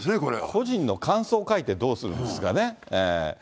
個人の感想書いてどうするんですかね。